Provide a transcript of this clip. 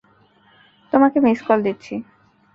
তোমাকে miss call দিচ্ছি।